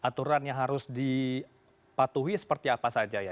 aturan yang harus dipatuhi seperti apa saja ya